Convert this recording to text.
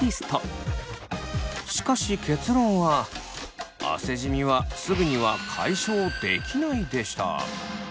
しかし結論は汗じみは「すぐには解消できない」でした。